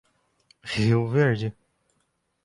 Rio Verde